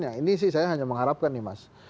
nah ini sih saya hanya mengharapkan nih mas